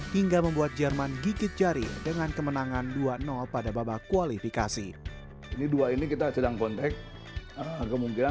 hingga menangani pelatih yang berbeda di indonesia